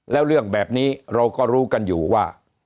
แล้วเรื่องแบบนี้เราก็รู้กันอยู่ว่า